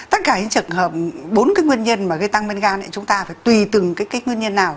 tất cả những trường hợp bốn cái nguyên nhân mà gây tăng men gan thì chúng ta phải tùy từng cái nguyên nhân nào